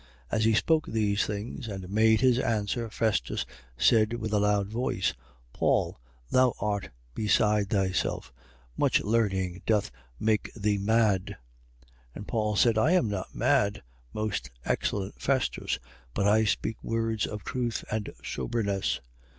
26:24. As he spoke these things and made his answer, Festus said with a loud voice: Paul, thou art beside thyself: much learning doth make thee mad. 26:25. And Paul said: I am not mad, most excellent Festus, but I speak words of truth and soberness.